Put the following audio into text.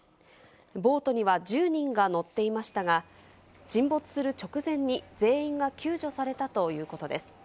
ボートには１０人が乗っていましたが、沈没する直前に全員が救助されたということです。